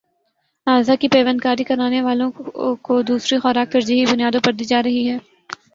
اعضا کی پیوند کاری کرانے والوں کو دوسری خوراک ترجیحی بنیادوں پر دی جارہی ہے